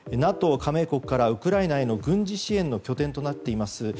ＮＡＴＯ加盟国からウクライナへの軍事支援の拠点となっています